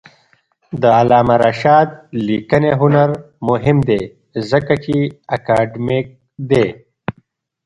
د علامه رشاد لیکنی هنر مهم دی ځکه چې اکاډمیک دی.